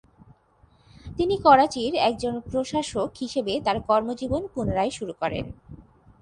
তিনি করাচির একজন প্রকাশক হিসেবে তার কর্মজীবন পুনরায় শুরু করেন।